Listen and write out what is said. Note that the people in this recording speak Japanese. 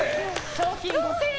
賞金５０００円